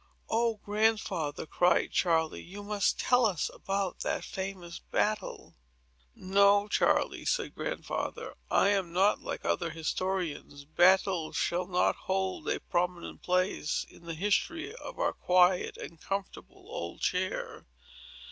"O, Grandfather," cried Charley, "you must tell us about that famous battle." "No, Charley," said Grandfather, "I am not like other historians. Battles shall not hold a prominent place in the history of our quiet and comfortable old chair.